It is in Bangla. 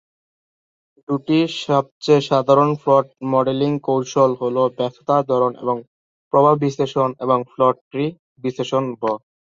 দুটি সবচেয়ে সাধারণ ফল্ট মডেলিং কৌশল হলো ব্যর্থতার ধরন এবং প্রভাব বিশ্লেষণ এবং ফল্ট ট্রি বিশ্লেষণ ব।